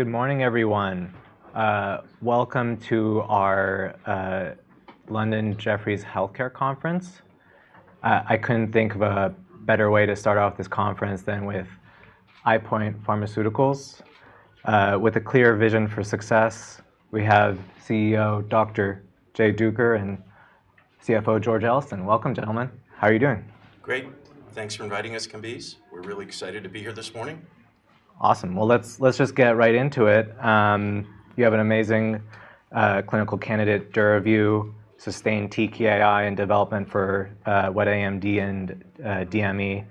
Good morning, everyone. Welcome to our London Jefferies Healthcare Conference. I couldn't think of a better way to start off this conference than with EyePoint Pharmaceuticals. With a clear vision for success, we have CEO Dr. Jay Duker and CFO George Elston. Welcome, gentlemen. How are you doing? Great. Thanks for inviting us, Kambiz. We're really excited to be here this morning. Awesome. Well, let's just get right into it. You have an amazing clinical candidate, Duravyu, sustained TKI in development for Wet AMD and DME.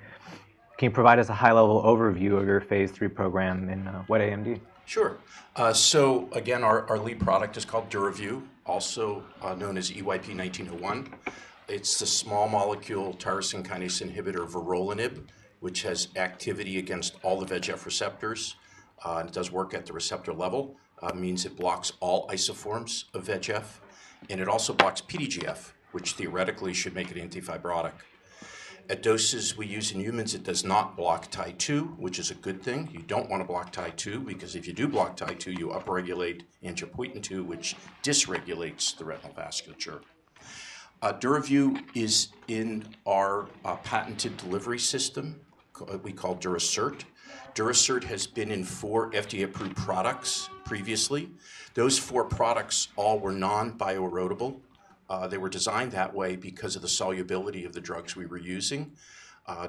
Can you provide us a high-level overview of your Phase III program in Wet AMD? Sure. So again, our lead product is called Duravyu, also known as EYP-1901. It's the small molecule tyrosine kinase inhibitor, Vorolanib, which has activity against all the VEGF receptors. It does work at the receptor level. It means it blocks all isoforms of VEGF, and it also blocks PDGF, which theoretically should make it antifibrotic. At doses we use in humans, it does not block Tie-2, which is a good thing. You don't want to block Tie-2 because if you do block Tie-2, you upregulate angiopoietin-2, which dysregulates the retinal vasculature. Duravyu is in our patented delivery system we call Durasert. Durasert has been in four FDA-approved products previously. Those four products all were non-bioerodible. They were designed that way because of the solubility of the drugs we were using.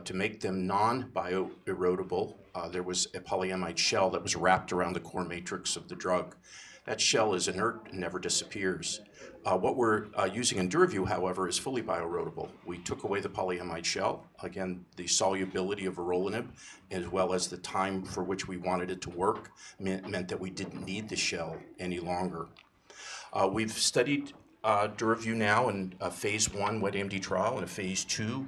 To make them non-bioerodible, there was a polyamide shell that was wrapped around the core matrix of the drug. That shell is inert and never disappears. What we're using in Duravyu, however, is fully bioerodible. We took away the polyamide shell. Again, the solubility of Vorolanib, as well as the time for which we wanted it to work, meant that we didn't need the shell any longer. We've studied Duravyu now in a Phase I Wet AMD trial and a Phase II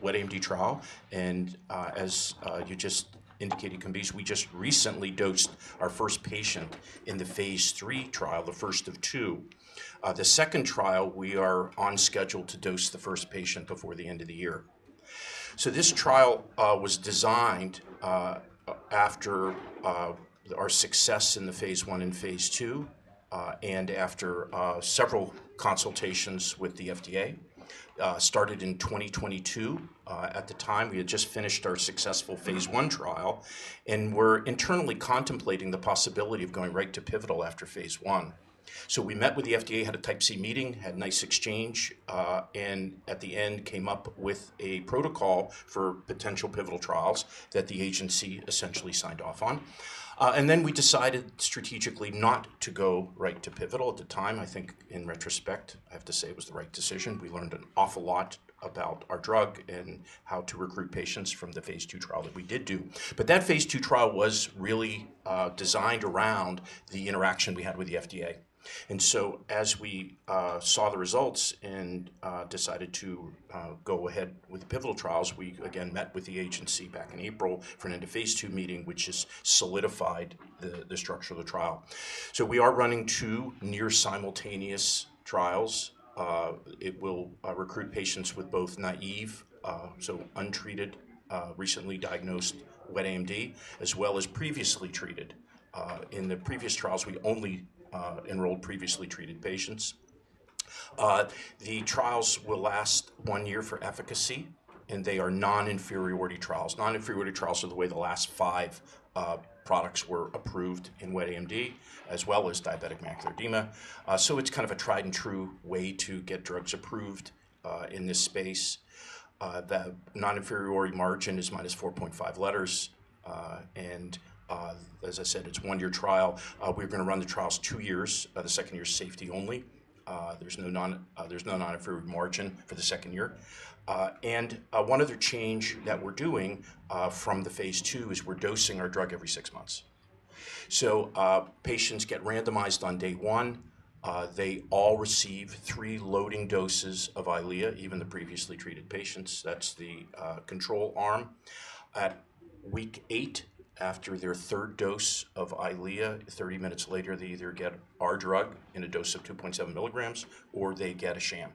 Wet AMD trial. And, as you just indicated, Kambiz, we just recently dosed our first patient in the Phase III trial, the first of two. The second trial, we are on schedule to dose the first patient before the end of the year. So this trial was designed after our success in the Phase I and Phase II, and after several consultations with the FDA. Started in 2022. At the time, we had just finished our successful Phase I trial, and we're internally contemplating the possibility of going right to pivotal after Phase I. So we met with the FDA, had a Type C meeting, had a nice exchange, and at the end came up with a protocol for potential pivotal trials that the agency essentially signed off on, and then we decided strategically not to go right to pivotal at the time. I think in retrospect, I have to say it was the right decision. We learned an awful lot about our drug and how to recruit patients from the Phase II trial that we did do, but that Phase II trial was really designed around the interaction we had with the FDA. And so as we saw the results and decided to go ahead with the pivotal trials, we again met with the agency back in April for an End of Phase 2 meeting, which has solidified the structure of the trial. So we are running two near-simultaneous trials. It will recruit patients with both naive, so untreated, recently diagnosed Wet AMD, as well as previously treated. In the previous trials, we only enrolled previously treated patients. The trials will last one year for efficacy, and they are non-inferiority trials. Non-inferiority trials are the way the last five products were approved in Wet AMD, as well as Diabetic Macular Edema. So it's kind of a tried and true way to get drugs approved in this space. The non-inferiority margin is minus 4.5 letters. And as I said, it's a one-year trial. We're going to run the trials two years. The second year is safety only. There's no non-inferiority margin for the second year. One other change that we're doing from the Phase II is we're dosing our drug every six months. Patients get randomized on day one. They all receive three loading doses of Eylea, even the previously treated patients. That's the control arm. At week eight, after their third dose of Eylea, 30 minutes later, they either get our drug in a dose of 2.7 milligrams or they get a sham.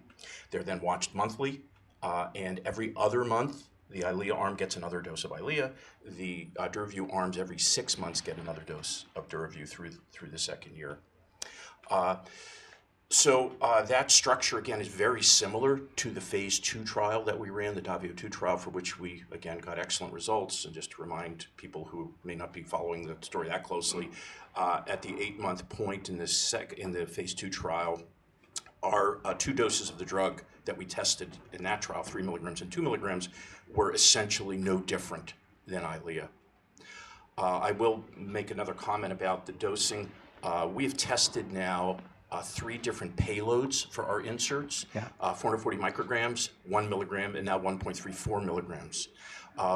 They're then watched monthly. Every other month, the Eylea arm gets another dose of Eylea. The Duravyu arms every six months get another dose of Duravyu through the second year. That structure again is very similar to the Phase II trial that we ran, the DAVIO II trial, for which we again got excellent results. Just to remind people who may not be following the story that closely, at the eight-month point in the Phase II trial, our two doses of the drug that we tested in that trial, three milligrams and two milligrams, were essentially no different than Eylea. I will make another comment about the dosing. We have tested now three different payloads for our inserts. Yeah. 440 micrograms, one milligram, and now 1.34 milligrams.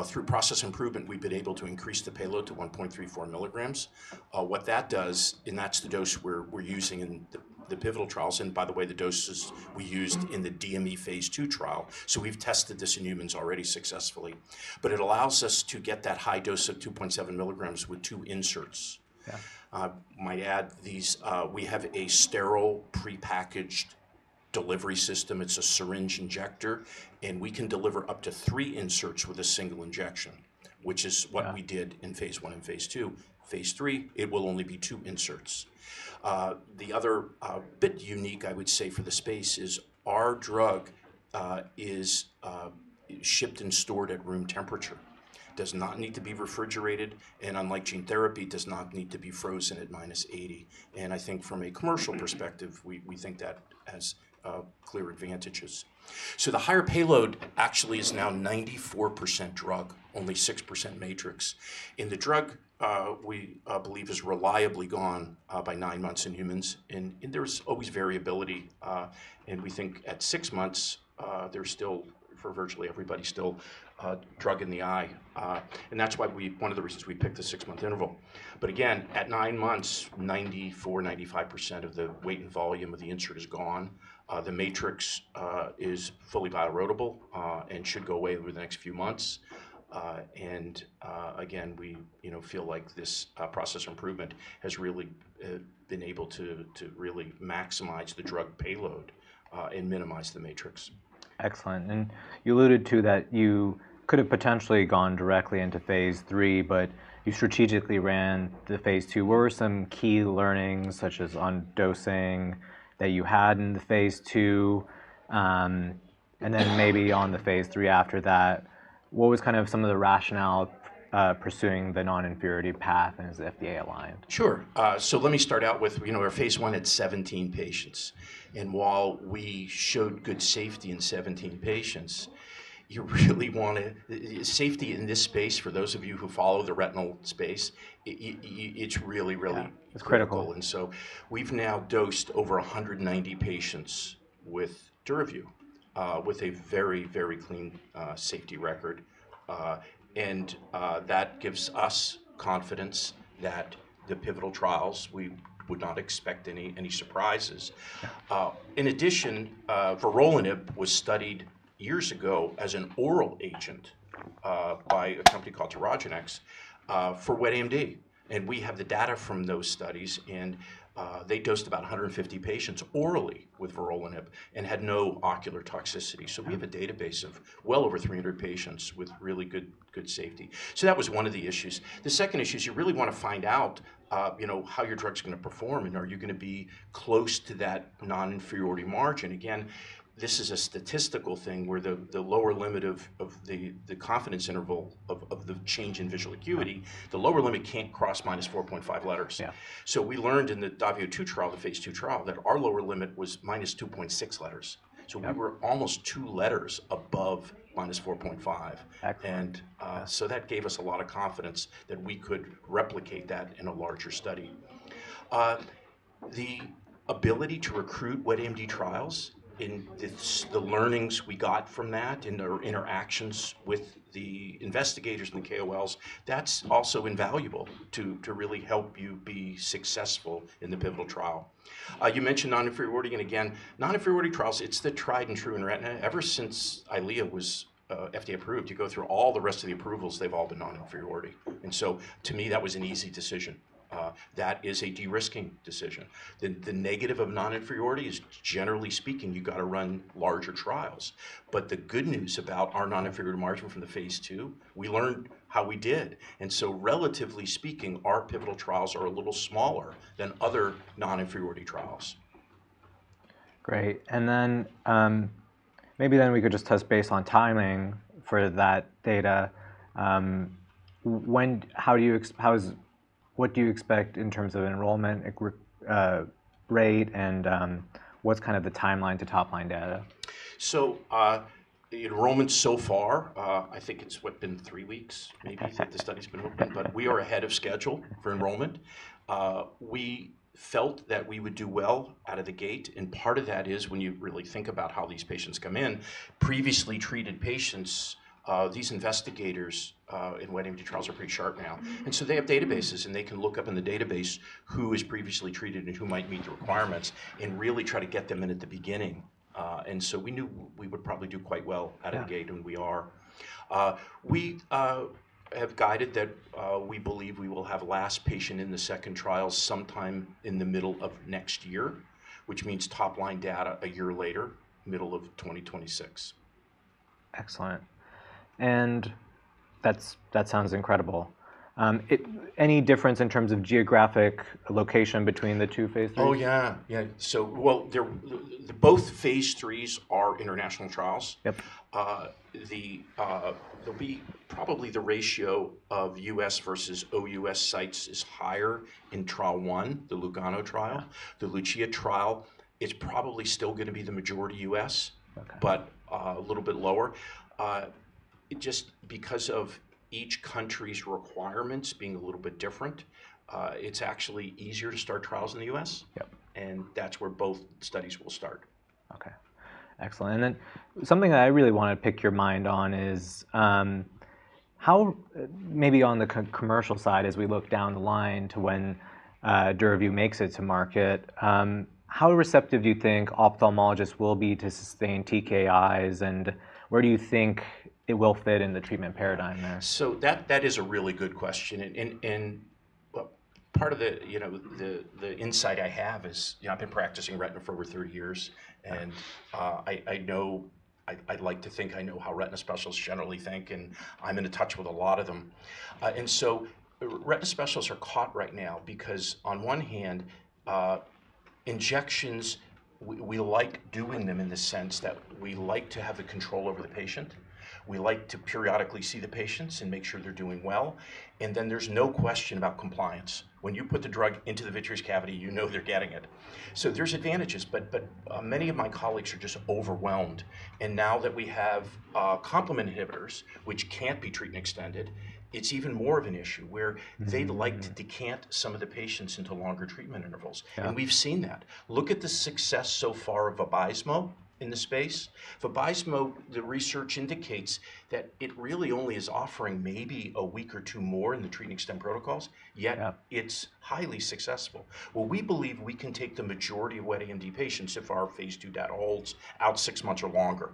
Through process improvement, we've been able to increase the payload to 1.34 milligrams. What that does, and that's the dose we're using in the pivotal trials. And by the way, the doses we used in the DME Phase II trial. So we've tested this in humans already successfully, but it allows us to get that high dose of 2.7 milligrams with two inserts. Yeah. Might add these, we have a sterile pre-packaged delivery system. It's a syringe injector, and we can deliver up to three inserts with a single injection, which is what we did in Phase I and Phase II. Phase III, it will only be two inserts. The other bit unique, I would say, for the space is our drug is shipped and stored at room temperature. Does not need to be refrigerated. And unlike gene therapy, does not need to be frozen at minus 80. And I think from a commercial perspective, we think that has clear advantages. So the higher payload actually is now 94% drug, only 6% matrix. And the drug we believe has reliably gone by nine months in humans. And there's always variability. And we think at six months, there's still, for virtually everybody, drug in the eye. And that's why we, one of the reasons we picked the six-month interval. But again, at nine months, 94%-95% of the weight and volume of the insert is gone. The matrix is fully bioerodible, and should go away over the next few months. And again, we you know feel like this process improvement has really been able to really maximize the drug payload, and minimize the matrix. Excellent. And you alluded to that you could have potentially gone directly into Phase III, but you strategically ran the Phase II. What were some key learnings, such as on dosing, that you had in the Phase II, and then maybe on the Phase III after that? What was kind of some of the rationale, pursuing the non-inferiority path and as the FDA aligned? Sure. So let me start out with, you know, our Phase I at 17 patients. And while we showed good safety in 17 patients, you really want to, safety in this space, for those of you who follow the retinal space, it, it's really, really. Yeah. It's critical. And so we've now dosed over 190 patients with Duravyu, with a very, very clean safety record. That gives us confidence that the pivotal trials, we would not expect any surprises. In addition, Vorolanib was studied years ago as an oral agent, by a company called Tyrogenex, for Wet AMD. And we have the data from those studies. And they dosed about 150 patients orally with Vorolanib and had no ocular toxicity. So we have a database of well over 300 patients with really good, good safety. So that was one of the issues. The second issue is you really want to find out, you know, how your drug's going to perform and are you going to be close to that non-inferiority margin. Again, this is a statistical thing where the lower limit of the confidence interval of the change in visual acuity, the lower limit can't cross minus 4.5 letters. Yeah. So we learned in the DAVIO II trial, the Phase II trial, that our lower limit was minus 2.6 letters. So we were almost two letters above minus 4.5. Excellent. So that gave us a lot of confidence that we could replicate that in a larger study. The ability to recruit Wet AMD trials and the learnings we got from that and our interactions with the investigators and the KOLs, that's also invaluable to really help you be successful in the pivotal trial. You mentioned non-inferiority, and again, non-inferiority trials, it's the tried and true in retina. Ever since Eylea was FDA-approved, you go through all the rest of the approvals, they've all been non-inferiority, and so to me, that was an easy decision. That is a de-risking decision. The negative of non-inferiority is, generally speaking, you got to run larger trials. But the good news about our non-inferiority margin from the Phase II, we learned how we did, and so relatively speaking, our pivotal trials are a little smaller than other non-inferiority trials. Great. Then, maybe we could just touch base on timing for that data. What do you expect in terms of enrollment rate and what's kind of the timeline to top-line data? So, the enrollment so far, I think it's been three weeks maybe that the study's been open, but we are ahead of schedule for enrollment. We felt that we would do well out of the gate. And part of that is when you really think about how these patients come in, previously treated patients, these investigators in Wet AMD trials are pretty sharp now. And so they have databases and they can look up in the database who is previously treated and who might meet the requirements and really try to get them in at the beginning. And so we knew we would probably do quite well out of the gate and we are. We have guided that we believe we will have last patient in the second trial sometime in the middle of next year, which means top line data a year later, middle of 2026. Excellent. And that's. That sounds incredible. Any difference in terms of geographic location between the two Phase IIIs? Oh yeah. Yeah. Both Phase IIIs are international trials. Yep. There'll be probably the ratio of U.S. versus OUS sites is higher in trial one, the LUGANO trial. The LUCIA trial is probably still going to be the majority U.S. Okay. But, a little bit lower, just because of each country's requirements being a little bit different, it's actually easier to start trials in the U.S. Yep. That's where both studies will start. Okay. Excellent. And then something that I really want to pick your mind on is, how, maybe on the commercial side, as we look down the line to when, Duravyu makes its market, how receptive do you think ophthalmologists will be to sustained TKIs and where do you think it will fit in the treatment paradigm there? So that is a really good question. And part of the, you know, the insight I have is, you know, I've been practicing retina for over 30 years and I know, I'd like to think I know how retina specialists generally think and I'm in touch with a lot of them. And so retina specialists are caught right now because on one hand, injections, we like doing them in the sense that we like to have the control over the patient. We like to periodically see the patients and make sure they're doing well. And then there's no question about compliance. When you put the drug into the vitreous cavity, you know they're getting it. So there's advantages, but many of my colleagues are just overwhelmed. Now that we have, complement inhibitors, which can't be treatment extended, it's even more of an issue where they'd like to decant some of the patients into longer treatment intervals. Yeah. And we've seen that. Look at the success so far of Vabysmo in the space. Vabysmo, the research indicates that it really only is offering maybe a week or two more in the treatment extension protocols, yet it's highly successful. Well, we believe we can take the majority of Wet AMD patients if our Phase II data holds out six months or longer.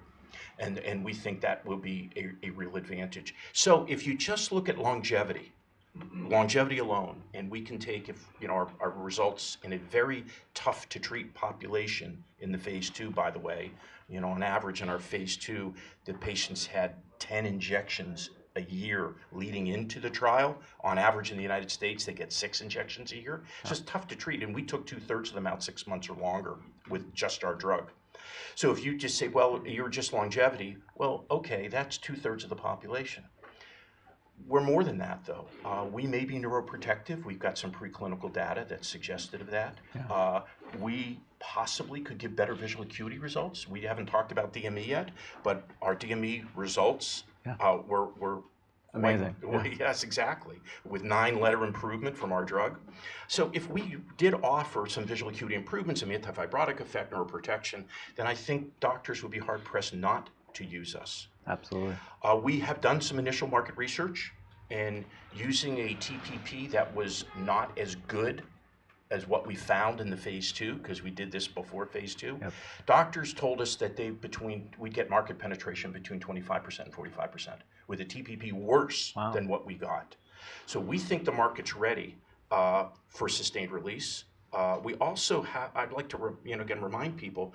And we think that will be a real advantage. So if you just look at longevity, longevity alone, and we can take, if you know, our results in a very tough to treat population in the Phase II, by the way, you know, on average in our Phase II, the patients had 10 injections a year leading into the trial. On average in the United States, they get six injections a year. It's just tough to treat. We took two-thirds of them out six months or longer with just our drug. If you just say, well, you're just longevity, well, okay, that's two-thirds of the population. We're more than that though. We may be neuroprotective. We've got some preclinical data that's suggestive of that. Yeah. We possibly could give better visual acuity results. We haven't talked about DME yet, but our DME results. Yeah. were, were. Amazing. Yes, exactly. With nine-letter improvement from our drug. So if we did offer some visual acuity improvements, some anti-fibrotic effect, neuroprotection, then I think doctors would be hard pressed not to use us. Absolutely. We have done some initial market research and using a TPP that was not as good as what we found in the Phase II, because we did this before Phase II. Yep. Doctors told us that we'd get market penetration between 25% and 45% with a TPP worse. Wow. Than what we got. So we think the market's ready for sustained release. We also have. I'd like to, you know, again, remind people,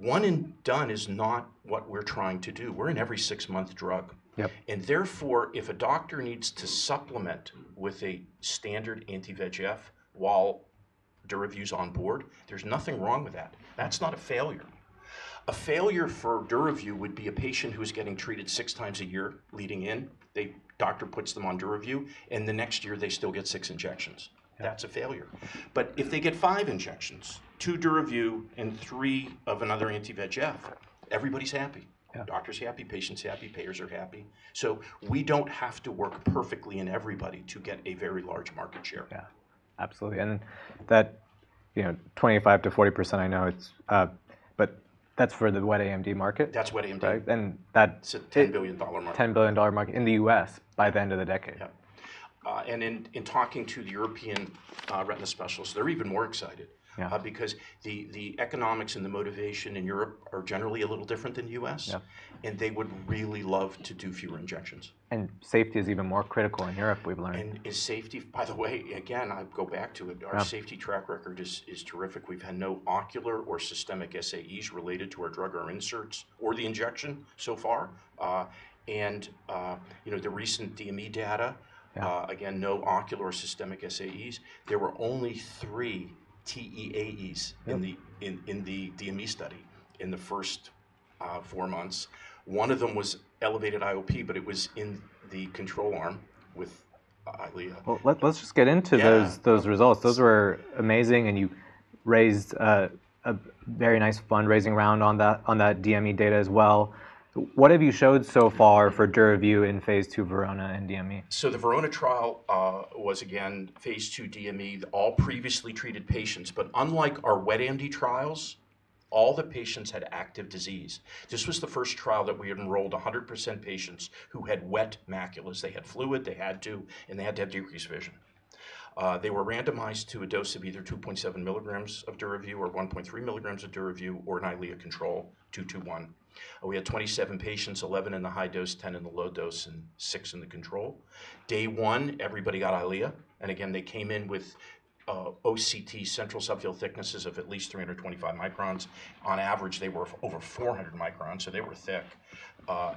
one and done is not what we're trying to do. We're an every six-month drug. Yep. Therefore, if a doctor needs to supplement with a standard anti-VEGF while Duravyu's on board, there's nothing wrong with that. That's not a failure. A failure for Duravyu would be a patient who is getting treated six times a year leading in. The doctor puts them on Duravyu and the next year they still get six injections. That's a failure. If they get five injections, two Duravyu and three of another anti-VEGF, everybody's happy. Yeah. Doctor's happy, patient's happy, payers are happy. So we don't have to work perfectly in everybody to get a very large market share. Yeah. Absolutely. And that, you know, 25%-40%, I know it's, but that's for the Wet AMD market. That's Wet AMD. Right? And that. It's a $10 billion market. $10 billion market in the U.S. by the end of the decade. Yep. And in talking to the European retina specialists, they're even more excited. Yeah. because the economics and the motivation in Europe are generally a little different than the U.S. Yep. They would really love to do fewer injections. Safety is even more critical in Europe, we've learned. Is safety, by the way, again. I go back to it. Yeah. Our safety track record is terrific. We've had no ocular or systemic SAEs related to our drug or inserts or the injection so far, and you know, the recent DME data. Yeah. Again, no ocular or systemic SAEs. There were only three TEAEs in the DME study in the first four months. One of them was elevated IOP, but it was in the control arm with Eylea. Let's just get into those results. Those were amazing. You raised a very nice fundraising round on that DME data as well. What have you showed so far for Duravyu in Phase II, VERONA and DME? So the VERONA trial was again Phase II DME, all previously treated patients, but unlike our Wet AMD trials, all the patients had active disease. This was the first trial that we had enrolled 100% patients who had wet maculas. They had fluid, they had to, and they had to have decreased vision. They were randomized to a dose of either 2.7 milligrams of Duravyu or 1.3 milligrams of Duravyu or an Eylea control 2:1. We had 27 patients, 11 in the high dose, 10 in the low dose, and 6 in the control. Day 1, everybody got Eylea. And again, they came in with OCT, central subfield thicknesses of at least 325 microns. On average, they were over 400 microns, so they were thick.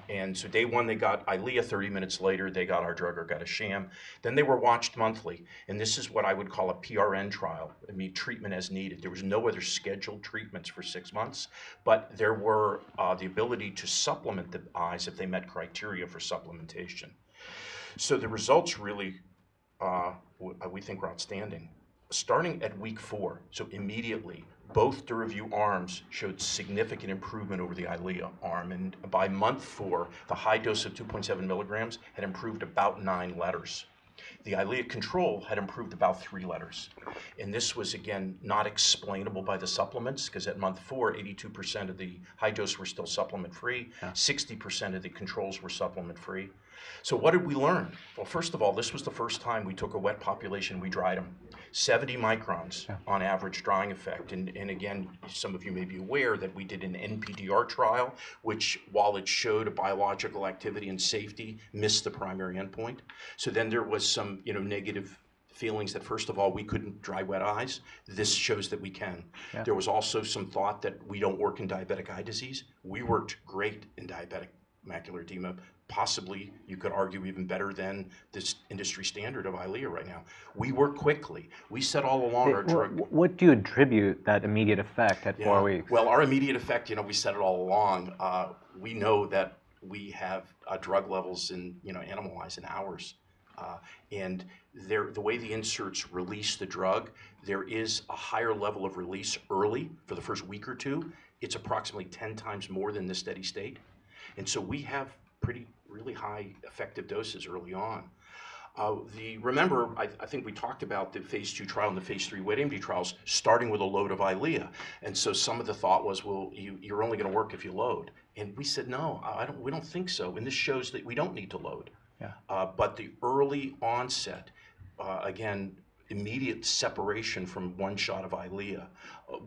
And so day one, they got Eylea. 30 minutes later, they got our drug or got a sham. Then they were watched monthly. This is what I would call a PRN trial. I mean, treatment as needed. There were no other scheduled treatments for six months, but there were, the ability to supplement the eyes if they met criteria for supplementation. So the results really, we think were outstanding. Starting at week four, so immediately, both Duravyu arms showed significant improvement over the Eylea arm. By month four, the high dose of 2.7 milligrams had improved about nine letters. The Eylea control had improved about three letters. This was again, not explainable by the supplements because at month four, 82% of the high dose were still supplement free. Yeah. 60% of the controls were supplement free. So what did we learn? Well, first of all, this was the first time we took a wet population, we dried them. 70 microns on average drying effect. And again, some of you may be aware that we did an NPDR trial, which while it showed a biological activity and safety, missed the primary endpoint. So then there was some, you know, negative feelings that first of all, we couldn't dry wet eyes. This shows that we can. Yeah. There was also some thought that we don't work in diabetic eye disease. We worked great in diabetic macular edema. Possibly you could argue even better than this industry standard of Eylea right now. We work quickly. We set all along our drug. What do you attribute that immediate effect at four weeks? Our immediate effect, you know, we said it all along. We know that we have drug levels in, you know, animal eyes in hours, and there, the way the inserts release the drug, there is a higher level of release early for the first week or two. It's approximately 10 times more than the steady state. And so we have pretty really high effective doses early on. Remember, I think we talked about the Phase II trial and the Phase III Wet AMD trials starting with a load of Eylea. And so some of the thought was, well, you, you're only going to work if you load. And we said, no, I don't, we don't think so. And this shows that we don't need to load. Yeah. But the early onset, again, immediate separation from one shot of Eylea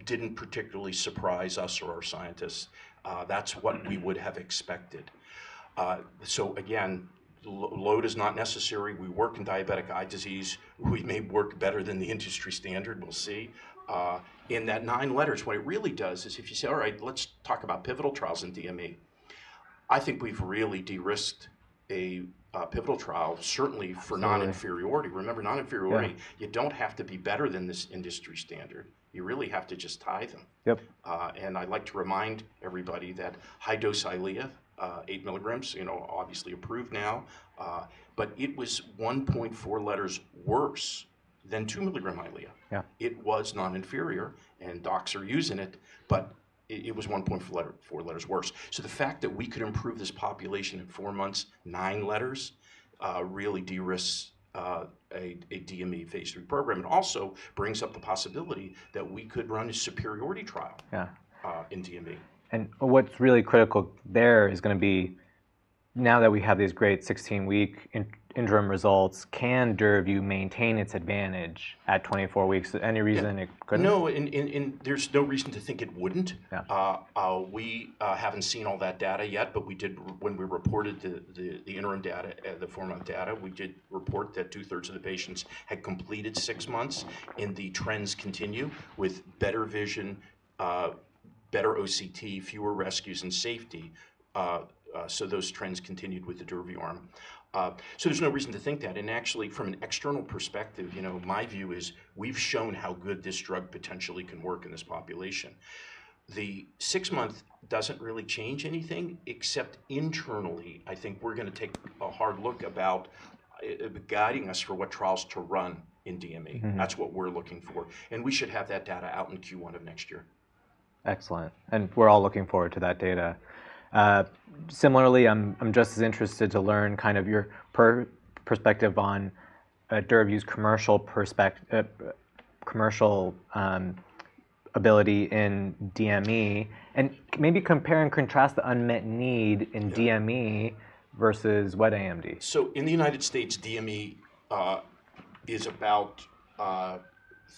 didn't particularly surprise us or our scientists. That's what we would have expected. So again, load is not necessary. We work in diabetic eye disease. We may work better than the industry standard. We'll see. In that nine letters, what it really does is if you say, all right, let's talk about pivotal trials in DME, I think we've really de-risked a pivotal trial, certainly for non-inferiority. Remember, non-inferiority. Yeah. You don't have to be better than this industry standard. You really have to just tie them. Yep. I'd like to remind everybody that high-dose Eylea, eight milligrams, you know, obviously approved now. But it was 1.4 letters worse than two-milligram Eylea. Yeah. It was non-inferior and docs are using it, but it was 1.4 letters worse. So the fact that we could improve this population in four months, nine letters, really de-risk a DME Phase III program and also brings up the possibility that we could run a superiority trial. Yeah. in DME. What's really critical there is going to be now that we have these great 16-week interim results, can Duravyu maintain its advantage at 24 weeks? Any reason it couldn't? No, there's no reason to think it wouldn't. Yeah. We haven't seen all that data yet, but we did when we reported the interim data, the four-month data. We did report that two-thirds of the patients had completed six months and the trends continue with better vision, better OCT, fewer rescues and safety. So those trends continued with the Duravyu arm. So there's no reason to think that. And actually, from an external perspective, you know, my view is we've shown how good this drug potentially can work in this population. The six-month doesn't really change anything except internally. I think we're going to take a hard look about guiding us for what trials to run in DME. Mm-hmm. That's what we're looking for. And we should have that data out in Q1 of next year. Excellent. We're all looking forward to that data. Similarly, I'm just as interested to learn kind of your perspective on Duravyu's commercial perspective, commercial ability in DME and maybe compare and contrast the unmet need in DME versus Wet AMD. In the United States, DME is about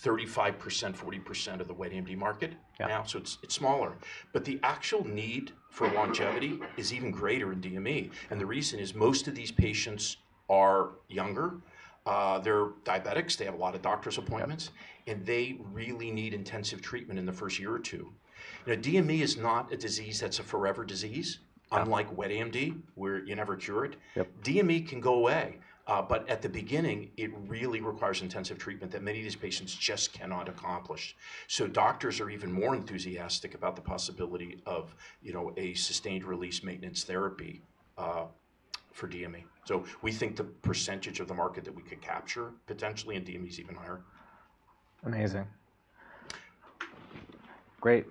35%-40% of the Wet AMD market. Yeah. Now, so it's smaller, but the actual need for longevity is even greater in DME, and the reason is most of these patients are younger. They're diabetics. They have a lot of doctor's appointments and they really need intensive treatment in the first year or two. You know, DME is not a disease that's a forever disease. Yeah. Unlike Wet AMD, where you never cure it. Yep. DME can go away. But at the beginning, it really requires intensive treatment that many of these patients just cannot accomplish. So doctors are even more enthusiastic about the possibility of, you know, a sustained release maintenance therapy, for DME. So we think the percentage of the market that we could capture potentially in DME is even higher. Amazing. Great.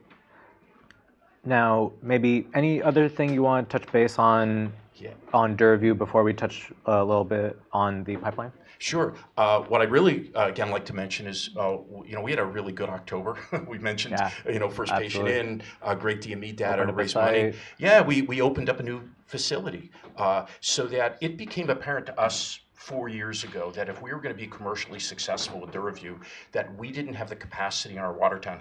Now, maybe any other thing you want to touch base on? Yeah. On Duravyu before we touch a little bit on the pipeline? Sure. What I really, again, like to mention is, you know, we had a really good October. We mentioned. Yeah. You know, first patient in, great DME data to raise money. That's funny. Yeah. We opened up a new facility, so that it became apparent to us four years ago that if we were going to be commercially successful with Duravyu, that we didn't have the capacity in our Watertown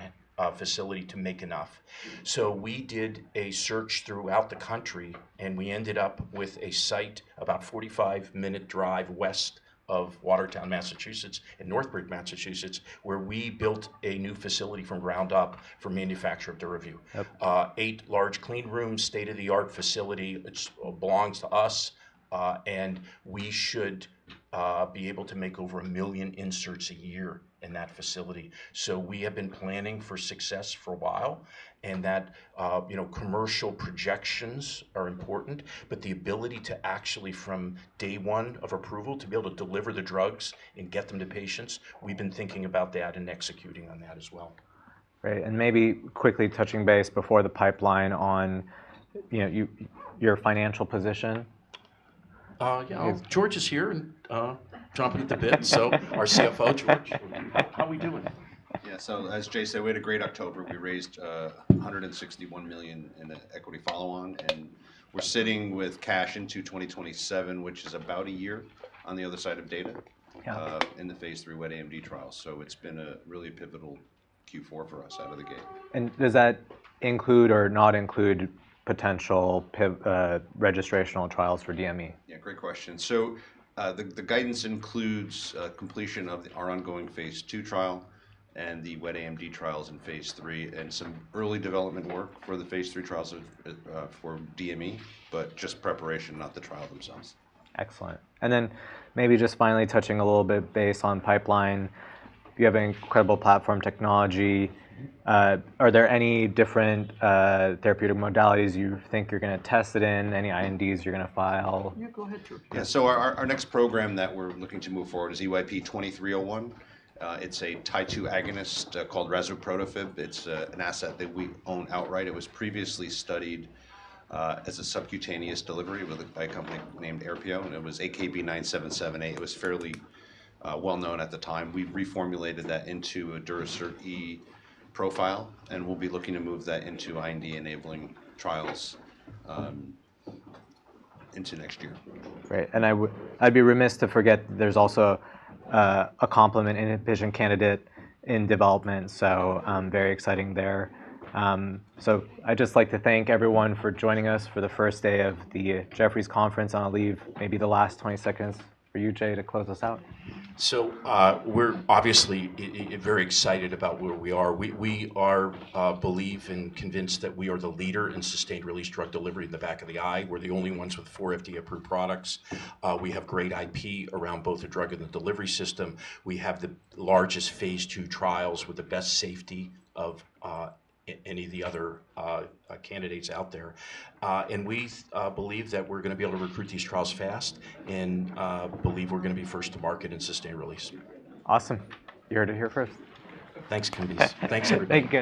facility to make enough. So we did a search throughout the country and we ended up with a site about 45-minute drive west of Watertown, Massachusetts, and Northbridge, Massachusetts, where we built a new facility from the ground up for manufacture of Duravyu. Yep. Eight large clean rooms, state-of-the-art facility. It belongs to us, and we should be able to make over a million inserts a year in that facility. So we have been planning for success for a while and that, you know, commercial projections are important, but the ability to actually, from day one of approval, to be able to deliver the drugs and get them to patients, we've been thinking about that and executing on that as well. Great. And maybe quickly touching base before the pipeline on, you know, your financial position. Yeah. George is here and, champing at the bit. So our CFO, George, how are we doing? Yeah. So as Jay said, we had a great October. We raised $161 million in the equity follow-on and we're sitting with cash into 2027, which is about a year on the other side of data. Yeah. in the Phase III Wet AMD trials. So it's been a really pivotal Q4 for us out of the gate. Does that include or not include potential pivotal, registrational trials for DME? Yeah. Great question. So, the guidance includes completion of our ongoing Phase II trial and the Wet AMD trials in Phase III and some early development work for the Phase III trials for DME, but just preparation, not the trials themselves. Excellent. And then maybe just finally touching a little bit based on pipeline, you have an incredible platform technology. Are there any different therapeutic modalities you think you're going to test it in? Any INDs you're going to file? Yeah. Go ahead, George. Yeah. So our next program that we're looking to move forward is EYP-2301. It's a Tie-2 agonist called Razuprotafib. It's an asset that we own outright. It was previously studied as a subcutaneous delivery by a company named Aerpio. And it was AKB-9778. It was fairly well known at the time. We reformulated that into a Durasert E profile and we'll be looking to move that into IND-enabling trials into next year. Great. And I would, I'd be remiss to forget there's also a complementary pipeline candidate in development. So, very exciting there. So I'd just like to thank everyone for joining us for the first day of the Jefferies Conference. I'll leave maybe the last 20 seconds for you, Jay, to close us out. So, we're obviously very excited about where we are. We believe and are convinced that we are the leader in sustained release drug delivery in the back of the eye. We're the only ones with four FDA-approved products. We have great IP around both the drug and the delivery system. We have the largest Phase II trials with the best safety of any of the other candidates out there. And we believe that we're going to be able to recruit these trials fast and believe we're going to be first to market in sustained release. Awesome. You're to hear first. Thanks, Kambiz. Thanks, everybody. Thanks.